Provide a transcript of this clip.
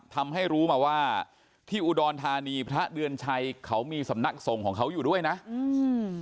ทำให้รู้มาว่าที่อุดรธานีพระเดือนชัยเขามีสำนักส่งของเขาอยู่ด้วยนะอืม